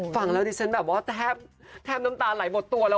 ฟังแล้วดิฉันแบบว่าแทบน้ำตาไหลหมดตัวแล้ว